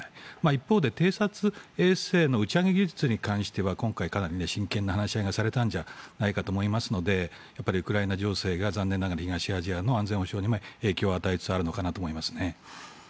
一方で偵察衛星の打ち上げ技術に関しては今回かなり真剣な話し合いがされたんじゃないかと思いますのでウクライナ情勢が残念ながら東アジアの安全保障にも影響を与えつつあるのかなと思いますね。